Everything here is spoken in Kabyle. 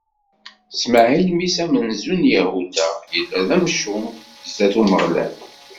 Smaɛil, mmi-s amenzu n Yahuda, yella d amcum zdat n Umeɣlal.